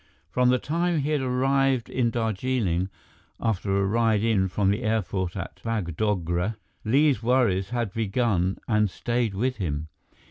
From the time he had arrived in Darjeeling, after a ride in from the airport at Bagdogra, Li's worries had begun and stayed with him.